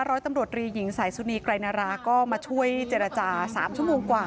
ร้อยตำรวจรีหญิงสายสุนีไกรนาราก็มาช่วยเจรจา๓ชั่วโมงกว่า